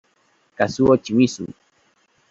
Kazuo Shimizu